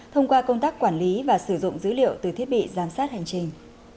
thông qua công tác quản lý và sử dụng dữ liệu từ thiết bị giám sát hành trình